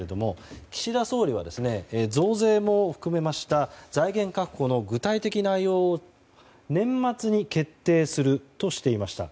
岸田総理は、増税も含めました財源確保の具体的内容を年末に決定するとしていました。